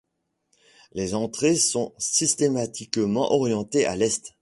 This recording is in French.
Les entrées sont systématiquement orientées à l'est.